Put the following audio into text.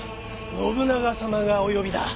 信長様がお呼びだ。